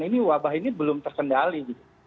ini wabah ini belum terkendali